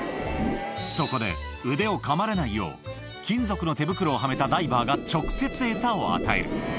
そこで、腕をかまれないよう金属の手袋をはめたダイバーが、直接餌を与える。